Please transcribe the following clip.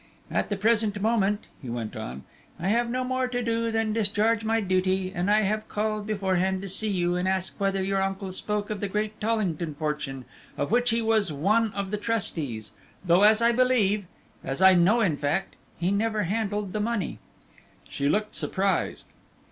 At the present moment," he went on, "I have no more to do than discharge my duty, and I have called beforehand to see you and to ask whether your uncle spoke of the great Tollington fortune of which he was one of the trustees, though as I believe as I know, in fact he never handled the money." She looked surprised.